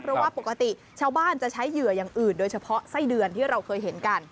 เพราะว่าปกติชาวบ้านจะใช้เหยื่ออย่างอื่นโดยเฉพาะไส้เดือนที่เราเคยเห็นกัน